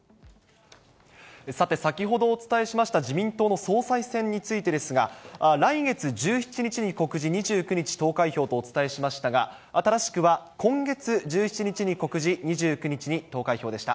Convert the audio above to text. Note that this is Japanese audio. さて、先ほどお伝えしました自民党の総裁選についてですが、来月１７日に告示、２９日投開票とお伝えしましたが、正しくは、今月１７日に告示、２９日に投開票でした。